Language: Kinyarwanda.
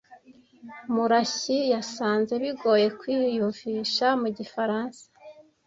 Murashyi yasanze bigoye kwiyumvisha mu gifaransa.